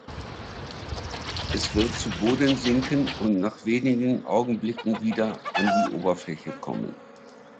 Es wird zu Boden sinken und nach wenigen Augenblicken wieder an die Oberfläche kommen.